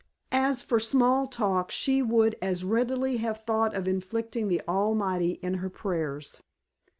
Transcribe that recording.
As for small talk she would as readily have thought of inflicting the Almighty in her prayers.